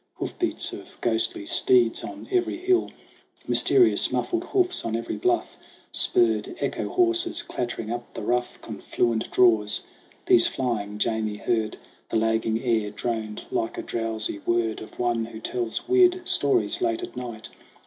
Hoofbeats of ghostly steeds on every hill, Mysterious, muffled hoofs on every bluff! Spurred echo horses clattering up the rough Confluent draws ! These flying Jamie heard. The lagging air droned like the drowsy word Of one who tells weird stories late at night.